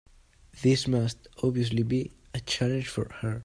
This must obviously be a challenge for her.